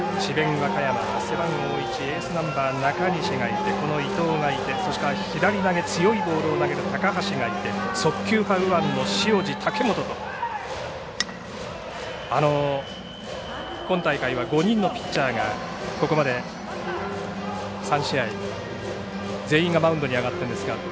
和歌山、背番号１エースナンバー中西がいてこの伊藤がいて左投げ強いボールを投げる高橋がいて速球派右腕の塩路、武元今大会は５人のピッチャーがここまで３試合全員がマウンドに上がっています。